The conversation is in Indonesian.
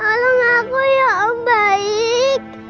tolong aku ya allah baik